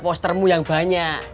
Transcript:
postermu yang banyak